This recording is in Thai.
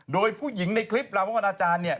โดยผู้หญิงในคลิปลามวันอาจารย์เนี่ย